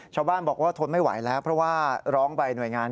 ชาวบ้านบอกว่าทนไม่ไหวแล้วเพราะว่าร้องไปหน่วยงาน